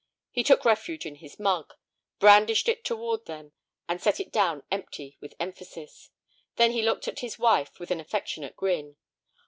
He took refuge in his mug, brandished it toward them, and set it down empty, with emphasis. Then he looked at his wife with an affectionate grin.